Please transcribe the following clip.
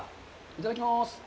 いただきます。